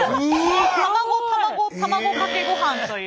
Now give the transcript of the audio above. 卵卵卵かけごはんという。